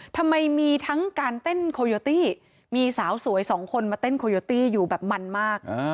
ทำไมมีทั้งการเต้นโคโยตี้มีสาวสวยสองคนมาเต้นโคโยตี้อยู่แบบมันมาก